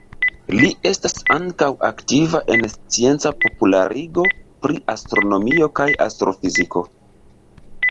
Li estas ankaŭ aktiva en scienca popularigo pri astronomio kaj astrofiziko.